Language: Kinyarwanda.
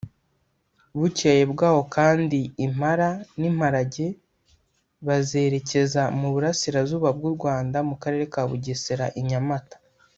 Bukeye bwaho kandi Impala n’Impalage bazerekeza mu Burasirazuba bw’u Rwanda mu Karere ka Bugesera i Nyamata